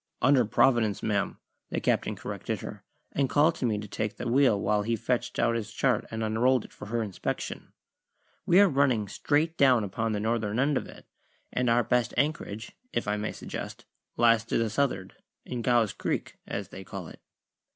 "Under Providence, ma'am," the Captain corrected her, and called to me to take the wheel while he fetched out his chart and unrolled it for her inspection. "We are running straight down upon the northern end of it, and our best anchorage (if I may suggest) lies to the south'ard in Gow's Creek, as they call it."